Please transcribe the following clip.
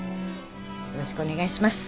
よろしくお願いします。